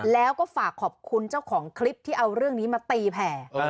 แล้วก็ฝากขอบคุณเจ้าของคลิปที่เอาเรื่องนี้มาตีแผ่